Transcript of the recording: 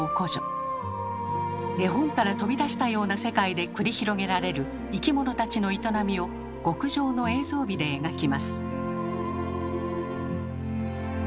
絵本から飛び出したような世界で繰り広げられる生き物たちの営みを極上の映像美で描きます。